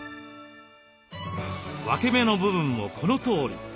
分け目の部分もこのとおり。